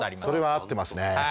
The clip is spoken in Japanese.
それは合ってますね。